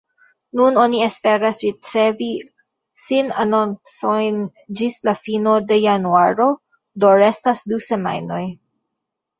Nun oni esperas ricevi sinanoncojn ĝis la fino de januaro, do restas du semajnoj.